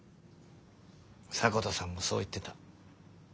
迫田さんもそう言ってた。